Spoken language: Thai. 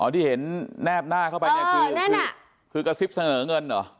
อ๋อที่เห็นแนบหน้าเข้าไปเนี่ยเออแน่น่ะคือกระซิบเสนอเงินเหรอ